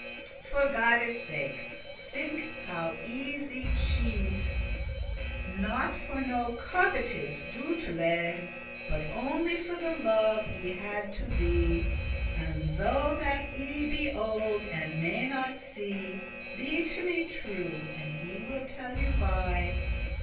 For Godde's sake, think how I thee chees,* *chose Not for no covetise* doubteless, * covetousness But only for the love I had to thee. And though that I be old, and may not see, Be to me true, and I will tell you why.